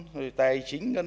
rồi tài chính ngân sách